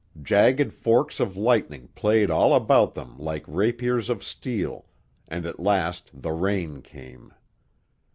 Jagged forks of lightning played all about them like rapiers of steel, and at last the rain came.